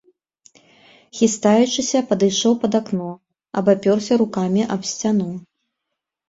Хістаючыся падышоў пад акно, абапёрся рукамі аб сцяну.